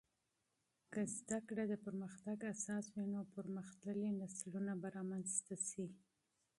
که علم د پرمختګ اساس وي، نو پرمختللي نسلونه به رامنځته سي.